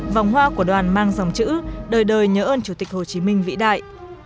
vòng hoa của đoàn mang dòng chữ đời đời nhớ ơn chủ tịch hồ chí minh vĩ đại